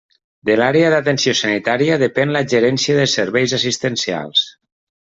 De l'Àrea d'Atenció Sanitària depèn la Gerència de Serveis Assistencials.